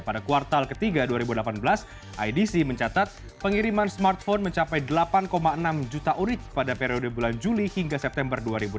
pada kuartal ketiga dua ribu delapan belas idc mencatat pengiriman smartphone mencapai delapan enam juta urik pada periode bulan juli hingga september dua ribu delapan belas